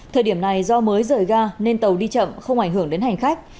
thời điểm này do mới rời ga nên tàu đi chậm không ảnh hưởng đến hành khách